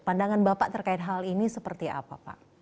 pandangan bapak terkait hal ini seperti apa pak